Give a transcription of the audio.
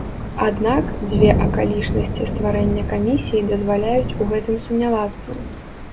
Аднак, дзве акалічнасці стварэння камісіі дазваляюць у гэтым сумнявацца.